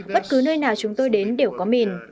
bất cứ nơi nào chúng tôi đến đều có mìn